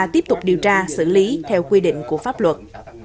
tiếp tục điều tra xử lý theo quy định của pháp luật